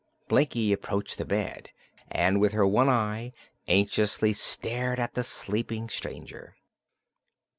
Blinkie approached the bed and with her one eye anxiously stared at the sleeping stranger.